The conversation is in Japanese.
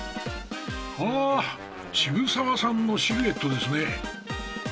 あ渋沢さんのシルエットですね。